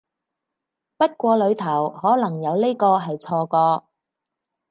不過裡頭可能有呢個係錯個